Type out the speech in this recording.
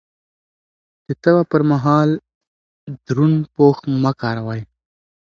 د تبه پر مهال دروند پوښ مه کاروئ.